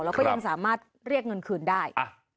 แล้วก็ยังสามารถเรียกเงินคืนได้